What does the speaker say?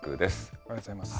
おはようございます。